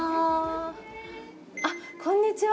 あっこんにちは